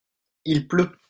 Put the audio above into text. il pleut.